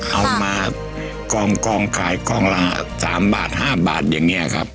เอามากล้องขายกล้องละ๓บาท๕บาทอย่างนี้ครับ